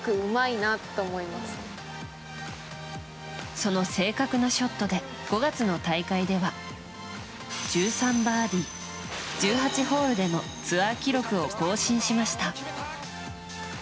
その正確なショットで５月の大会では１３バーディー１８ホールでのツアー記録を更新しました。